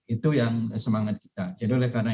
itu yang semangat kita jadi oleh karena